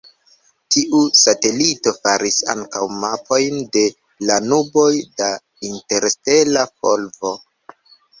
Tiu satelito faris ankaŭ mapojn de la nuboj da interstela polvo.